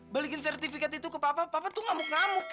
balikin sertifikat itu ke papa tuh ngamuk ngamuk ya